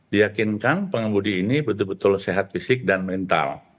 diyakinkan pengemudi ini betul betul sehat fisik dan mental